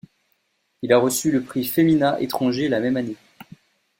Il a reçu le prix Femina étranger la même année.